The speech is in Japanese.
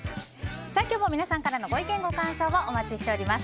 今日も皆さんからのご意見ご感想をお待ちしています。